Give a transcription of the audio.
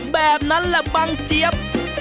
แบบนั้นแหละบังเจี๊ยบ